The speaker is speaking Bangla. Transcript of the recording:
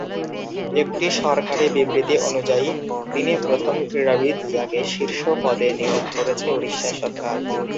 একটি সরকারী বিবৃতি অনুযায়ী, তিনি প্রথম ক্রীড়াবিদ যাকে শীর্ষ পদে নিয়োগ করেছে উড়িষ্যা সরকার।